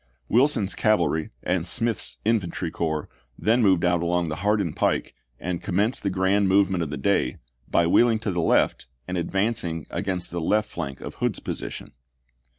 Wilson's cavalry and Smith's infantry corps then moved out along the Hardin pike and commenced the grand movement of the day, by wheeling to the left, and advancing against the left flank of Hood's position.